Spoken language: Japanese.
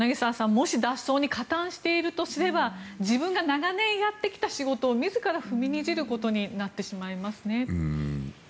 もし脱走に加担しているとすれば自分が長年やってきた仕事を自ら踏みにじることになってしまいますね。